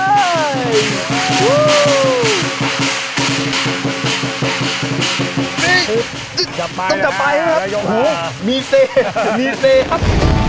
นี่ต้องจับไปนะครับมีเซครับ